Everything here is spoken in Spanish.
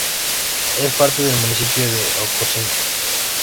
Es parte del municipio de Ocosingo.